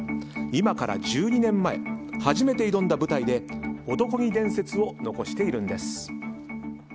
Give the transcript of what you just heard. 今から１２年前初めて挑んだ舞台で男気伝説を残しているんです。